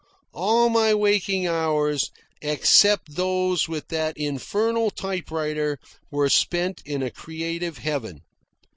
All my waking hours, except those with that infernal typewriter, were spent in a creative heaven.